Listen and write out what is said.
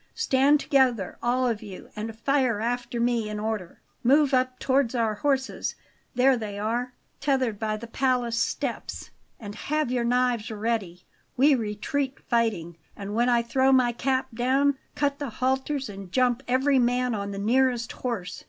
Stand together, all of you, and fire after me in order. Move up towards our horses; there they are, tethered by the palace steps; and have your knives ready. We retreat fighting, and when I throw my cap down, cut the halters and jump every man on the nearest horse.